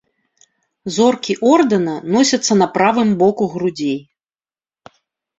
Зоркі ордэна носяцца на правым боку грудзей.